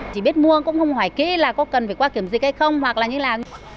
chỉ biết mua cũng không hoài ký là có cần phải qua kiểm dịch hay không hoặc là như là